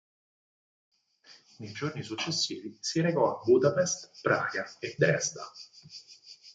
Nei giorni successivi si recò a Budapest, Praga e Dresda.